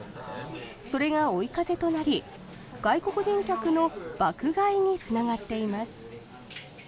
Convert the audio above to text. それが追い風となり外国人客の爆買いにつながっています。